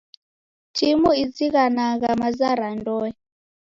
Timu izighanagha maza ra ndoe.